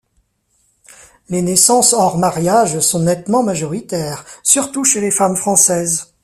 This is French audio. Les naissances hors mariage sont nettement majoritaires, surtout chez les femmes françaises.